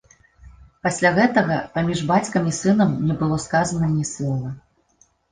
Пасля гэтага паміж бацькам і сынам не было сказана ні слова.